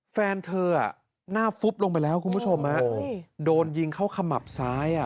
แฟนเธอหน้าฟุบลงไปแล้วคุณผู้ชมฮะโดนยิงเข้าขมับซ้ายอ่ะ